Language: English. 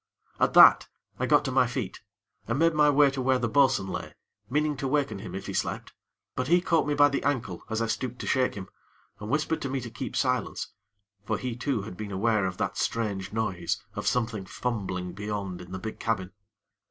At that, I got to my feet and made my way to where the bo'sun lay, meaning to waken him, if he slept; but he caught me by the ankle, as I stooped to shake him, and whispered to me to keep silence; for he too had been aware of that strange noise of something fumbling beyond in the big cabin.